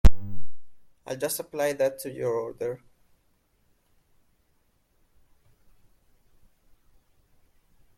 I'll just apply that to your order.